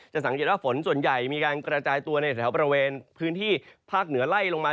สังเกตว่าฝนส่วนใหญ่มีการกระจายตัวในแถวบริเวณพื้นที่ภาคเหนือไล่ลงมา